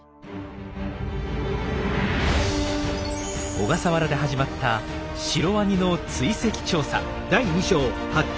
小笠原で始まったシロワニの追跡調査。